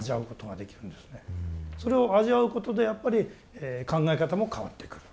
それを味わうことでやっぱり考え方も変わってくる。